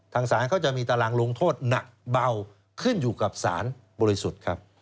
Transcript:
ทางศาลเขาจะมีตารางลงโทษหนักเบาขึ้นอยู่กับสารบริสุทธิ์ครับ